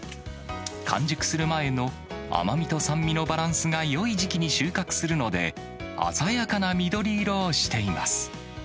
完熟する前の甘みと酸味のバランスがよい時期に収穫するので、鮮やかな緑色をしています。